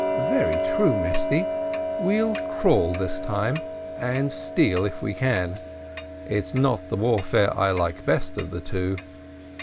"Very true, Mesty, we'll crawl this time, and steal if we can. It's not the warfare I like best of the two."